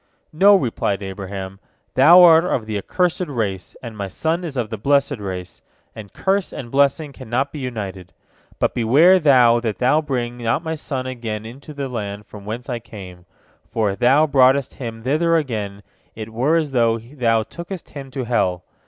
"No," replied Abraham, "thou art of the accursed race, and my son is of the blessed race, and curse and blessing cannot be united. But beware thou that thou bring not my son again unto the land from whence I came, for if thou broughtest him thither again, it were as though thou tookest him to hell.